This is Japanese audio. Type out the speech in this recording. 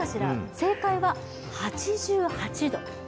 正解は８８度。